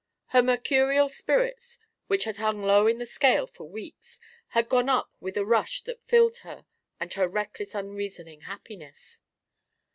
Her mercurial spirits, which had hung low in the scale for weeks, had gone up with a rush that filled her with a reckless unreasoning happiness.